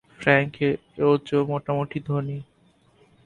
Frank ও Joe মোটামুটি ধনী।